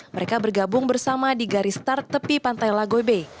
mereka bergabung bersama di garis start tepi pantai lagoybe